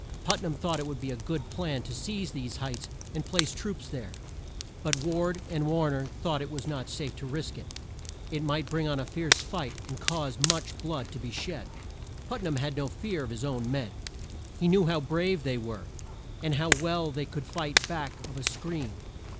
Put nam thought it would be a good plan to seize these heights and place troops there; but Ward and War ner thought it was not safe to risk it. It might bring on a fierce fight and cause much blood to be shed. Put nam had no fear of his own men. He knew how brave they were, and how well they could fight back of a screen.